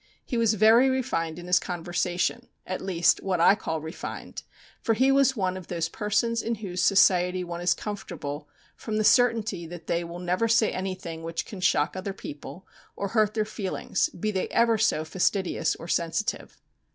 "He was very refined in his conversation at least, what I call refined for he was one of those persons in whose society one is comfortable from the certainty that they will never say anything which can shock other people, or hurt their feelings, be they ever so fastidious or sensitive."